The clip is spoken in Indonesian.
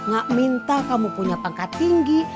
gak minta kamu punya pangkat tinggi